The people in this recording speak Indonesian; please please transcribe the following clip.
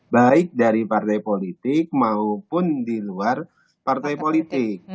baik dari partai politik maupun di luar partai politik